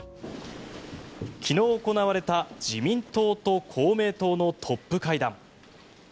昨日行われた自民党と公明党のトップ会談。